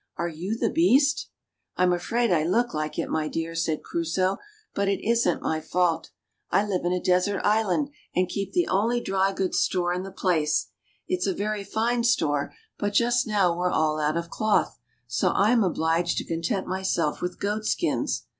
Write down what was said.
"Are you the Beast?" " I'm afraid I look like it, my dear," said Crusoe ;" but it isn't my fault ; I live in a desert island and keep the only dry goods store in the place ; it's a very fine store, but just now we're all out of cloth, so I'm obliged to content myself with goatskins.